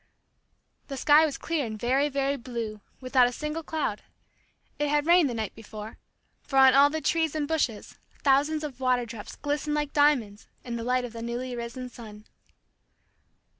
The sky was clear and very, very blue, without a single cloud. It had rained the night before, for on all the trees and bushes thousands of water drops glistened like diamonds in the light of the newly risen sun.